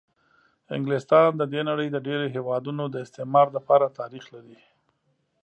انګلستان د د نړۍ د ډېرو هېوادونو د استعمار دپاره تاریخ لري.